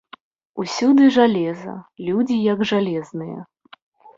Усюды жалеза, людзі як жалезныя.